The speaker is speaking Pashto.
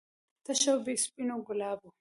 تش او بې سپینو ګلابو و.